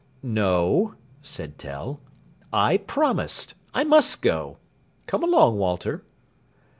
"No," said Tell; "I promised. I must go. Come along, Walter."